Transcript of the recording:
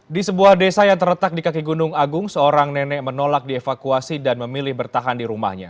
di sebuah desa yang terletak di kaki gunung agung seorang nenek menolak dievakuasi dan memilih bertahan di rumahnya